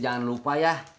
jangan lupa ya